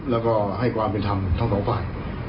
แล้วก็ให้ความเป็นธรรมทั้งสองฝ่าย